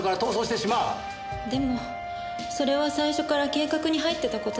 でもそれは最初から計画に入ってた事だから。